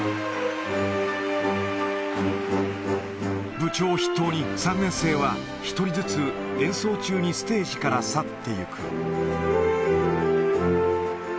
部長筆頭に、３年生は１人ずつ、演奏中にステージから去っていく。